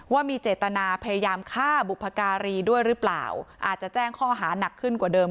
ว่ามีเจตนาพยายามฆ่าบุพการีด้วยหรือเปล่าอาจจะแจ้งข้อหานักขึ้นกว่าเดิม